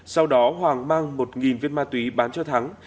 sau đó hoàng mang một viên ma túy bán cho thắng